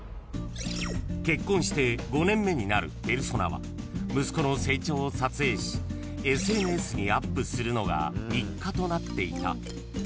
［結婚して５年目になるペルソナは息子の成長を撮影しＳＮＳにアップするのが日課となっていた］